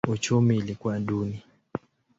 Uchumi ilikuwa duni.